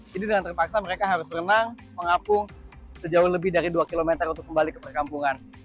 jadi dengan terpaksa mereka harus berenang mengapung sejauh lebih dari dua km untuk kembali ke perkampungan